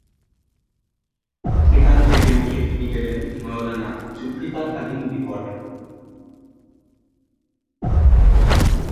সেখান থেকে উঠে তিনি গেলেন মাওলানা জুলফিকার আলীর নিকট।